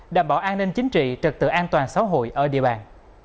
đảm bảo an ninh chính trị trật tự an toàn xã hội ở địa bàn